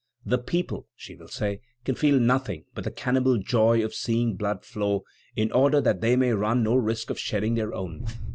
"The people," she will say, "can feel nothing but the cannibal joy of seeing blood flow, in order that they may run no risk of shedding their own.